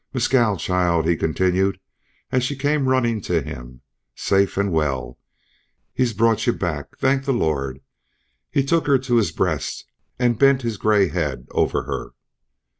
"Mescal child!" he continued, as she came running to him. "Safe and well. He's brought you back. Thank the Lord!" He took her to his breast and bent his gray head over her.